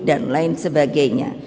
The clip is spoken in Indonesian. dan lain sebagainya